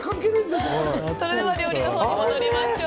それでは料理に戻りましょう。